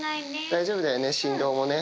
大丈夫だよね。